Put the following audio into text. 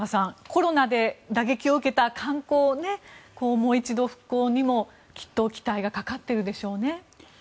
コロナで打撃を受けた観光を、もう一度復興にもきっと期待がかかっているでしょうね。